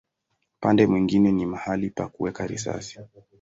Upande mwingine ni mahali pa kuweka risasi.